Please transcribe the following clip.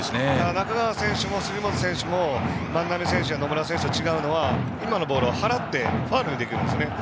中川選手も杉本選手も万波選手や野村選手と違うのは今のボールは払ってファウルにできるんですよね。